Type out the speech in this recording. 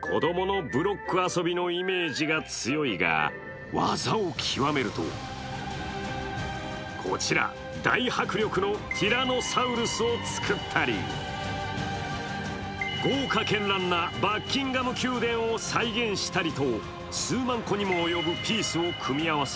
子供のブロック遊びのイメージが強いが、技を極めるとこちら、大迫力のティラノサウルスを作ったり豪華絢爛なバッキンガム宮殿を再現したりと数万個にも及ぶピースを組み合わせ